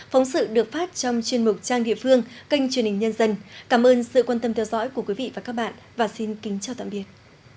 phóng sự được phát trong chuyên mục trang địa phương kênh truyền hình nhân dân cảm ơn sự quan tâm theo dõi của quý vị và các bạn và xin kính chào tạm biệt